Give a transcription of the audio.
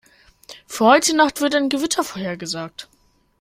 Für heute Nacht wird ein Gewitter vorhergesagt.